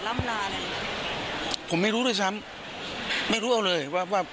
ล้ำนานผมไม่รู้ด้วยซ้ำไม่รู้เอาเลยว่าว่า